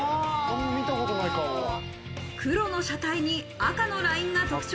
黒の車体に赤のラインが特徴